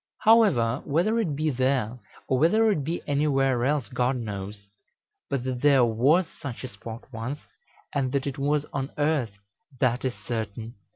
However, whether it be there, or whether it be anywhere else, God knows; but that there was such a spot once, and that it was on earth, that is certain."